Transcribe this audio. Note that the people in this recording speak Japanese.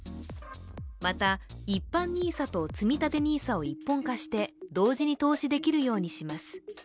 また、一般ＮＩＳＡとつみたてＮＩＳＡを一本化して同時に投資できるようにします。